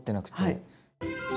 はい。